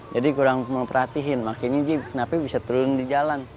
jadi kurang mau perhatiin makanya kenapa bisa turun di jalan